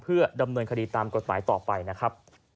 เพื่อดำเนินคดีตามกฎหมายต่อไปนะครับ